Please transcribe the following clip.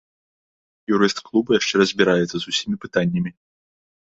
Юрыст клуба яшчэ разбіраецца з усімі пытаннямі.